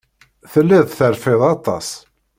Telliḍ terfiḍ aṭas.